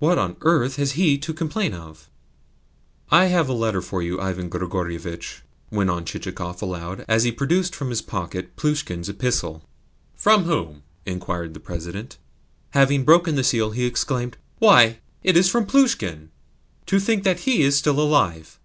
"What on earth has HE to complain of?" "I have a letter for you, Ivan Grigorievitch," went on Chichikov aloud as he produced from his pocket Plushkin's epistle. "From whom?" inquired the President. Having broken the seal, he exclaimed: "Why, it is from Plushkin! To think that HE is still alive!